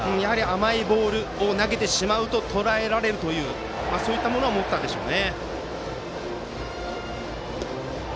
甘いボールを投げてしまうととらえられるというそういったものは思ったでしょうね。